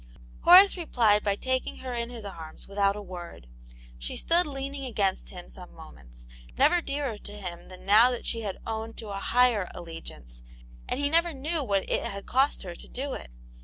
Horace replied by taking her in his arms, without a word. She stood leaning against him some moments, never dearer to him than now that she had owned to a higher allegiance, and he never knew what it had cost her to do it.